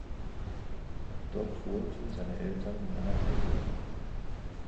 Dort wohnten seine Eltern in einer Pension.